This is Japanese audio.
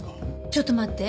ちょっと待って。